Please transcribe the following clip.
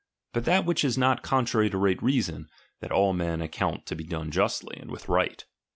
But that which is not contrary to right reason, that all men account to be done "lastly, and with right.